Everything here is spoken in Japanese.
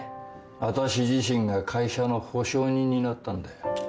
私自身が会社の保証人になったんだよ。